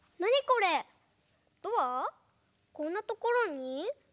こんなところに？